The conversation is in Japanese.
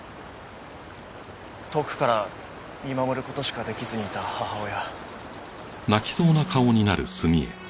遠くから見守る事しか出来ずにいた母親。